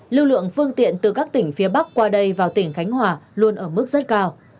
lưu lượng phương tiện từ các tỉnh phía bắc qua đây vào tỉnh khánh hòa luôn ở mức rất cao